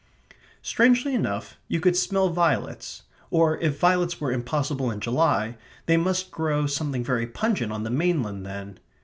Strangely enough, you could smell violets, or if violets were impossible in July, they must grow something very pungent on the mainland then.